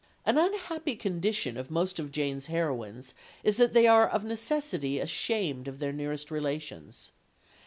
'" An unhappy condition of most of Jane's heroines is that they are of necessity ashamed of their nearest relations.